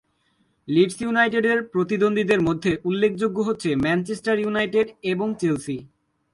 Leeds ইউনাইটেডের প্রতিদ্বন্দ্বীদের মধ্যে উল্লেখযোগ্য হচ্ছে ম্যানচেস্টার ইউনাইটেড এবং চেলসি।